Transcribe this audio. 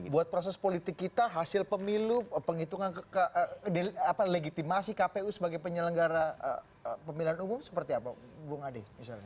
buat proses politik kita hasil pemilu penghitungan legitimasi kpu sebagai penyelenggara pemilihan umum seperti apa bung ade